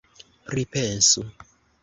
Pripensu!